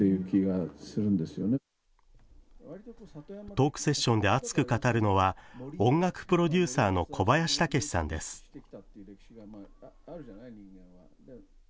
トークセッションで熱く語るのは音楽プロデューサーの小林武史さんです。